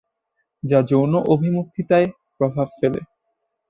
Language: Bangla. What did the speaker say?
যা যৌন অভিমুখিতায় প্রভাব ফেলে।